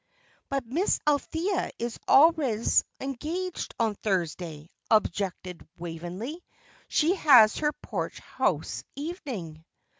"But Miss Althea is always engaged on Thursday," objected Waveney. "She has her Porch House evening."